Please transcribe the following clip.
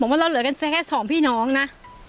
ว่าเราเหลือกันแค่สองพี่น้องนะ